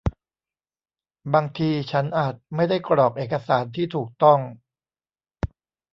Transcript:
บางทีฉันอาจไม่ได้กรอกเอกสารที่ถูกต้อง